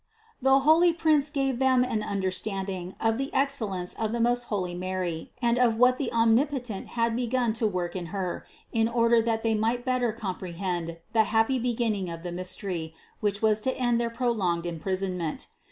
The holy prince gave them an understanding of the excellence of the most holy Mary and of what the Omnipotent had begun to work in Her, in order that they might better comprehend the happy beginning of the mystery, which was to end their prolonged imprisonment.